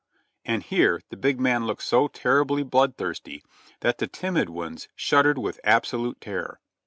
And here the big man looked so terribly blood thirsty that the timid ones shuddered with abso lute terror.